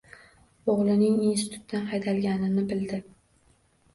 Oʻgʻlining institutdan haydalganini bildi